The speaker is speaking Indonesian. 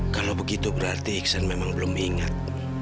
kalau begitu berarti iksan memang belum ingat